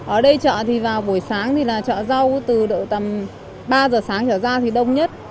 ở đây chợ thì vào buổi sáng thì là chợ rau từ độ tầm ba giờ sáng trở ra thì đông nhất